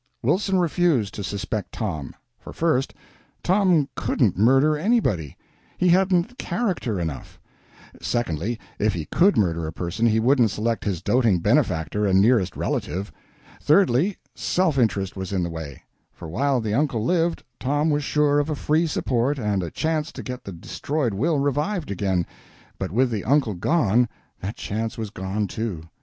Wilson refused to suspect Tom; for first, Tom couldn't murder anybody he hadn't character enough; secondly, if he could murder a person he wouldn't select his doting benefactor and nearest relative; thirdly, self interest was in the way; for while the uncle lived, Tom was sure of a free support and a chance to get the destroyed will revived again, but with the uncle gone, that chance was gone, too.